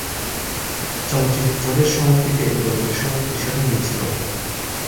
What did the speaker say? চলচ্চিত্রটির সমাপ্তিতে এই গল্পের সমাপ্তির সাথে মিল ছিল না।